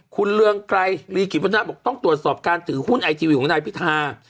คุณเรืองไกรลีกิจวัฒนาบอกต้องตรวจสอบการถือหุ้นไอทีวีของนายพิธา